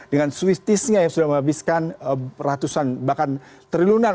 dengan swiftiesnya yang sudah menghabiskan ratusan bahkan trilunan